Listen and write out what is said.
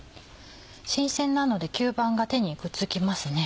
新鮮なので吸盤が手にくっつきますね。